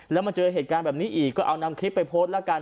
แล้วมาเจอเหตุการณ์แบบนี้อีกก็เอานำคลิปไปโพสต์แล้วกัน